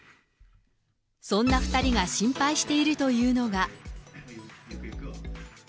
そんな２人が心配しているというのが。